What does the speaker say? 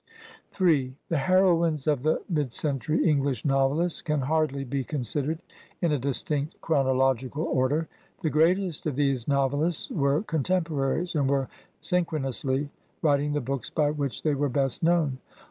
m The heroines of the mid century English novelists can hardly be considered in a distinct chronological* order. The greatest of these novelists were contem poraries and were synchronously writing the books by which they were best known.